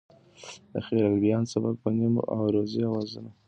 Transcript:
د خیرالبیان سبک په نیم عروضي اوزانو لیکل شوی دی.